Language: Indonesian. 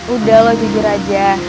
udah lo jujur aja